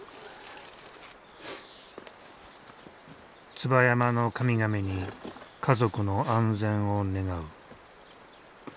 椿山の神々に家族の安全を願う。